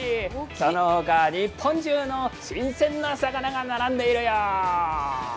その他、日本中の新鮮な魚が並んでいるよ。